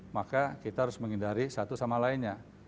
maka kita harus menghindari satu sama lainnya